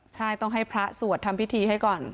ใช่ต้องให้พระสวดทำพิธีให้ก่อน